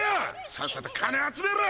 さっさと金集めろ！